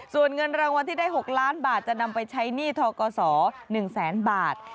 ส่วนเงินรางวัลที่ได้๖ล้านบาทจะนำไปใช้หนี้ทกศ๑แสนบาท